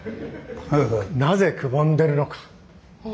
なぜくぼんでるのか。